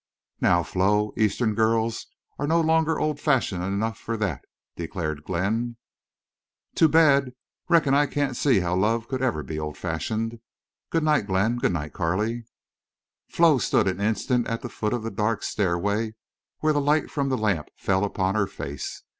"Now, Flo, Eastern girls are no longer old fashioned enough for that," declared Glenn. "Too bad! Reckon I can't see how love could ever be old fashioned. Good night, Glenn. Good night, Carley." Flo stood an instant at the foot of the dark stairway where the light from the lamp fell upon her face.